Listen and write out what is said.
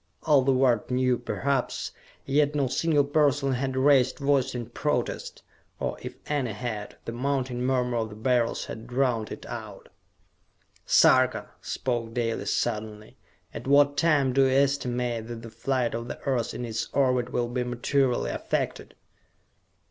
All the world knew, perhaps, yet no single person had raised voice in protest or if any had, the mounting murmur of the Beryls had drowned it out. "Sarka!" spoke Dalis suddenly. "At what time do you estimate that the flight of the Earth in its orbit will be materially affected?"